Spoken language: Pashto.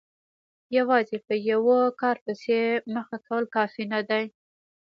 یوازې په یوه کار پسې مخه کول کافي نه دي.